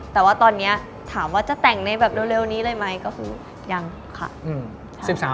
แต่ว่าตอนนี้ถามว่าจะแต่งในแบบเร็วนี้เลยไหมก็คือยังค่ะ